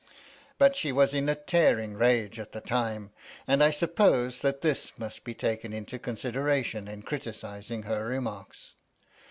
But she was in a tearing rage at the time, and I suppose that this must be taken into consideration in criticising her remarks.